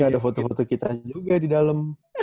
gak ada foto foto kita juga di dalem